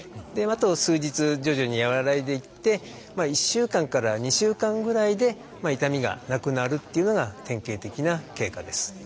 あと数日徐々に和らいでいって１週間から２週間ぐらいで痛みがなくなるっていうのが典型的な経過です。